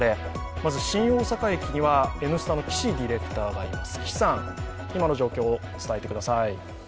まず新大阪駅には「Ｎスタ」の岸ディレクターがいます。